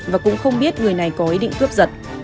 và cũng không biết người này có ý định cướp giật